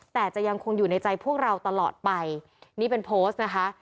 แต่จะยังคงอยู่ในใจพวกเราตลอดไปนี่เป็นโพสต์นะคะ